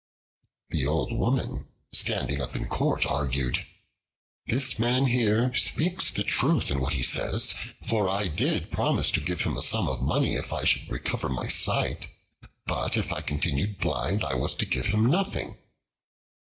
The Old Woman, standing up in the Court, argued: "This man here speaks the truth in what he says; for I did promise to give him a sum of money if I should recover my sight: but if I continued blind, I was to give him nothing.